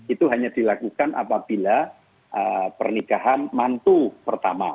itu hanya dilakukan apabila pernikahan mantu pertama